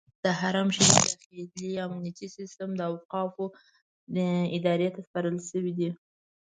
د حرم شریف داخلي امنیتي سیستم اوقافو ادارې ته سپارل شوی دی.